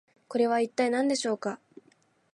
これは一体何でしょうか？